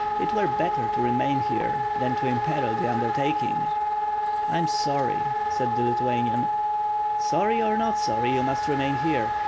It were better to remain here than to imperil the undertaking." "I am sorry," said the Lithuanian. "Sorry, or not sorry, you must remain here.